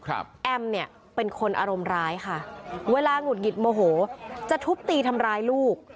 แอมเนี่ยเป็นคนอารมณ์ร้ายค่ะเวลาหงุดหงิดโมโหจะทุบตีทำร้ายลูก